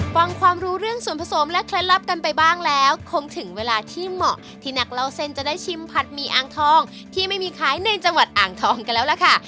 ฟังความรู้เรื่องส่วนผสมและเคล็ดลับกันไปบ้างแล้วคงถึงเวลาที่เหมาะที่นักเล่าเส้นจะได้ชิมผัดหมี่อ่างทองที่ไม่มีขายในจังหวัดอ่างทองกันแล้วล่ะค่ะ